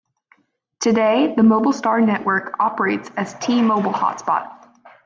Today, the MobileStar Network operates as T-Mobile Hotspot.